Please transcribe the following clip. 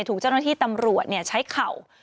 ถูกเจ้าหน้าที่ตำรวจใช้เข่า